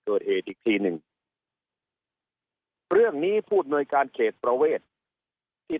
เกิดเหตุอีกทีหนึ่งเรื่องนี้ผู้อำนวยการเขตประเวทที่